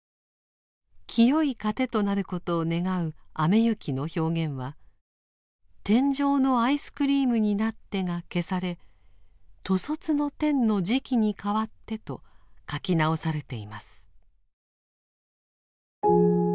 聖い資糧となることを願う雨雪の表現は「天上のアイスクリームになって」が消され「兜率の天の食に変って」と書き直されています。